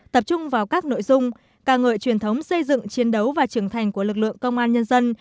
tập trung vào các nội dung ca ngợi truyền thống xây dựng chiến đấu và trưởng thành của lực lượng công an nhân dân